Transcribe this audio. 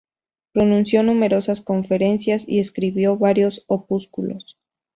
Pronunció numerosas conferencias y escribió varios opúsculos.